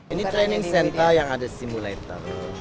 ini training center yang ada simulator